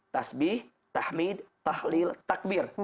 tasbih tahmid tahli takbir